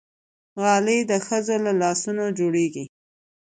غالۍ د ښځو له لاسونو جوړېږي.